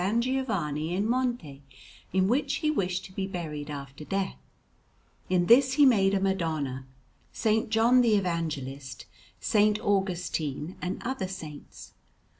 Giovanni in Monte, in which he wished to be buried after death; in this he made a Madonna, S. John the Evangelist, S. Augustine, and other saints.